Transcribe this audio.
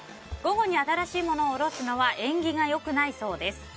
午後に新しいものを下ろすのは縁起が良くないそうです。